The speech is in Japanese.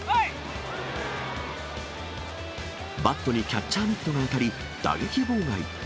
バットにキャッチャーミットが当たり、打撃妨害。